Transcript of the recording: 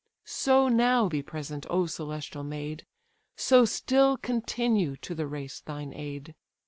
So now be present, O celestial maid! So still continue to the race thine aid!